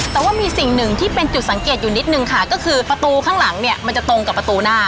แต่ว่ามีสิ่งหนึ่งที่เป็นจุดสังเกตอยู่นิดนึงค่ะก็คือประตูข้างหลังเนี่ยมันจะตรงกับประตูหน้า